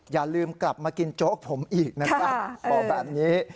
อย่าลืมกลับมากินโจ๊กผมอีกนะครับบอกแบบนี้